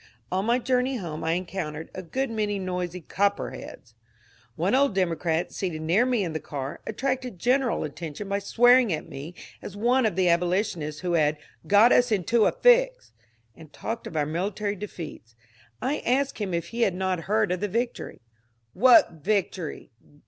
On my journey home I encountered a good many noisy *^ Copperheads." One old Democrat, seated near me in the car, attracted general attention by swearing at me as one of the abolitionists who had ^^ got us into this fix," and talked of our military defeats. I asked him if he had not heard of the victory. "What victory?